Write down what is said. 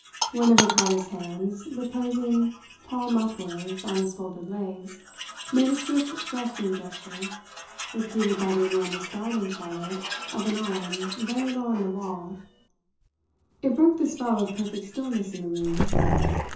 One of Ricardo's hands, reposing palm upwards on his folded legs, made a swift thrusting gesture, repeated by the enormous darting shadow of an arm very low on the wall. It broke the spell of perfect stillness in the room.